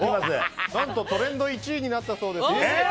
何とトレンド１位になったそうです。